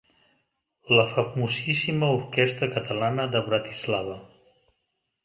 La famosíssima Orquestra Catalana de Bratislava.